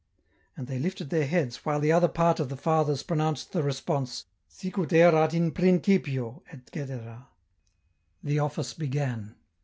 And they lifted their heads while the other part of the Fathers pronounced the response, " Sicut erat in principio, etc." The office began.